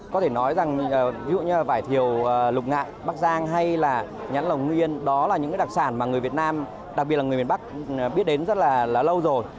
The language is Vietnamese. có thể nói rằng ví dụ như là vải thiều lục ngạn bắc giang hay là nhãn lồng nguyên đó là những đặc sản mà người việt nam đặc biệt là người miền bắc biết đến rất là lâu rồi